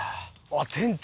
店長